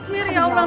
mir ya allah